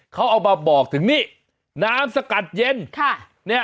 เขาเอามาบอกถึงนี่น้ำสกัดเย็น